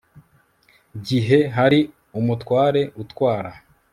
gihe hari umutware utwara